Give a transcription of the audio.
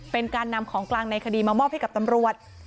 เป็นการนำของกลางในคดีมามอบให้กับตำรวจ